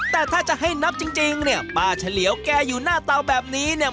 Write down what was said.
แต่ถ้าจะให้นับจริงเนี่ยป้าเฉลียวแกอยู่หน้าเตาแบบนี้เนี่ย